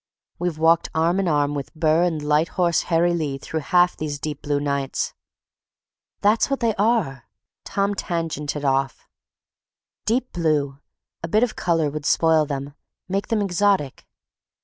We've walked arm and arm with Burr and Light Horse Harry Lee through half these deep blue nights." "That's what they are," Tom tangented off, "deep blue—a bit of color would spoil them, make them exotic.